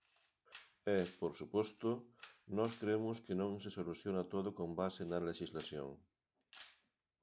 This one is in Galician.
E, por suposto, nós cremos que non se soluciona todo con base na lexislación.